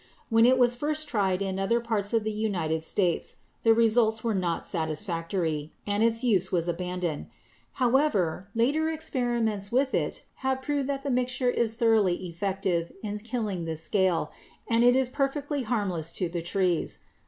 When it was first tried in other parts of the United States the results were not satisfactory and its use was abandoned. However, later experiments with it have proved that the mixture is thoroughly effective in killing this scale and that it is perfectly harmless to the trees.